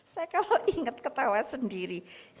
saya kalau inget ketawa sendiri